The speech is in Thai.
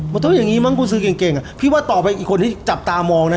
ไม่ต้องมั่งกุชือเก่งอีกคนที่จะตอบตามองสินะ